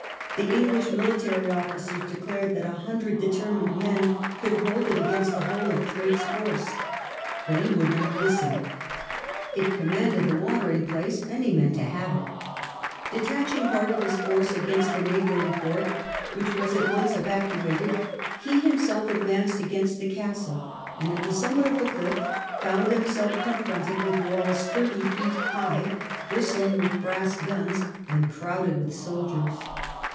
The English military officers declared that a hundred determined men could hold it against the whole of Drake's force. But he would not listen; it commanded the watering place, and he meant to have it Detaching part of his force against a neighbouring fort^ which was at once evacuated, he himself advanced against the castle, and at the summit of the cliff found himself confronted with walls thirty feet high, bristling with brass guns and crowded IX STORM OF S ACRES CASTLE 125 with soldiers.